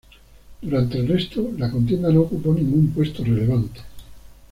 Durante el resto la contienda no ocupó ningún puesto relevante.